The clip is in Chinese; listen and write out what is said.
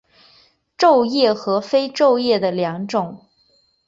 皱叶和非皱叶的两种。